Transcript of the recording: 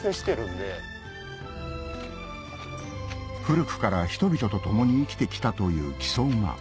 古くから人々と共に生きてきたという木曽馬